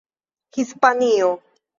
hispanio